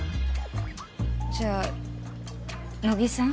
じゃあ乃木さん？